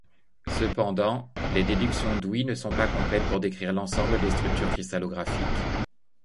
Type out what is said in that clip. Cependant, les déductions d'Haüy ne sont pas complètes pour décrire l'ensemble des structures cristallographiques.